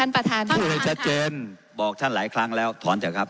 พูดให้ชัดเจนบอกท่านหลายครั้งแล้วถอนเถอะครับ